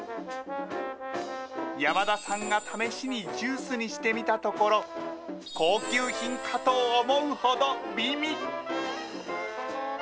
山田さんが試しにジュースにしてみたところ、高級品かと思うほど美味。